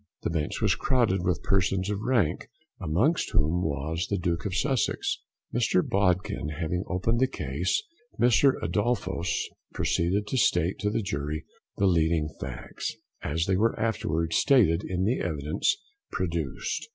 The Bench was crowded with persons of rank, amongst whom was the Duke of Sussex. Mr Bodkin having opened the case, Mr Adolphus proceeded to state to the Jury the leading facts, as they were afterwards stated in the evidence produced.